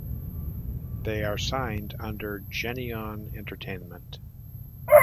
They are signed under Geneon Entertainment.